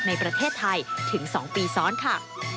ในประเทศไทยถึง๒ปีซ้อนค่ะ